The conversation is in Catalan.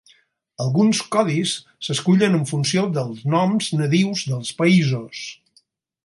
Alguns codis s'escullen en funció dels noms nadius dels països.